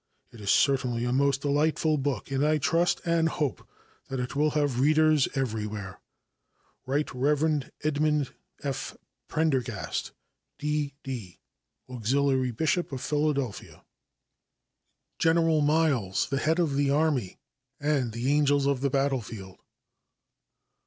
It is certainly a most delightful book, and I trust and hope that it will have readers everywhere." Right Rev. Edmond F. Prendergast, D. D., Auxiliary Bishop of Philadelphia. General Miles, the Head of the Army, and the "Angels of the Battlefield."